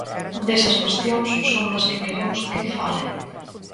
Desas cuestións son das que queremos que fale.